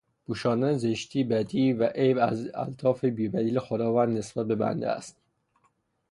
پوشاندن زشتی بدی و عیب از الطاف بی بدیل خداوند نسبت به بنده است